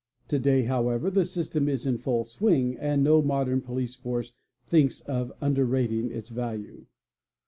To day however the system is in full swing and no modern police force thinks of underrating its value.